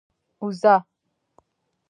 اوزه؟